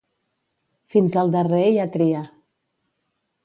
Fins al darrer hi ha tria.